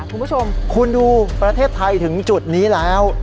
คุณผู้ชมคุณดูประเทศไทยถึงจุดนี้แล้ว